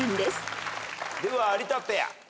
では有田ペア。